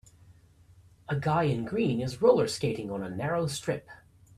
A guy in green is rollerskating on a narrow strip.